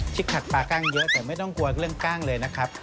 ขัดปลากั้งเยอะแต่ไม่ต้องกลัวเรื่องกล้างเลยนะครับ